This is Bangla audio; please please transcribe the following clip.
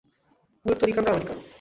পুয়ের্তো রিকানরাও আমেরিকান।